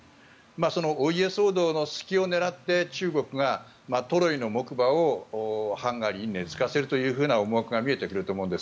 そのお家騒動の隙を狙って中国がトロイの木馬をハンガリーに根付かせるという思惑が見えてくると思うんです。